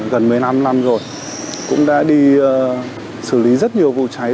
gần một mươi năm năm rồi cũng đã đi xử lý rất nhiều vụ cháy